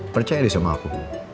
percaya deh sama aku